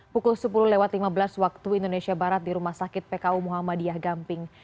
pukul sepuluh lewat lima belas waktu indonesia barat di rumah sakit pku muhammadiyah gamping